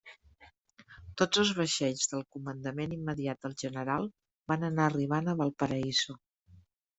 Tots els vaixells del comandament immediat del general van anar arribant a Valparaíso.